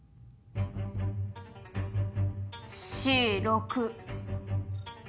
Ｃ６。